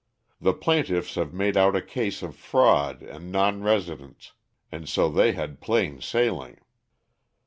The plaintiffs have made out a case of fraud and non residence, and so they had plain sailing."